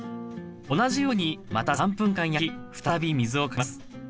同じようにまた３分間焼き再び水をかけます。